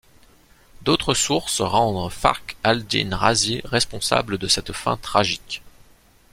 D'autres sources rendent Fakhr al-Dîn Râzî responsable de cette fin tragique.